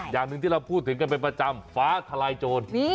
อย่างหนึ่งที่เราพูดถึงกันเป็นประจำฟ้าทลายโจร